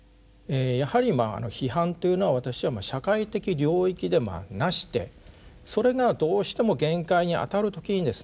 やはり批判というのは私は社会的領域でなしてそれがどうしても限界にあたる時にですね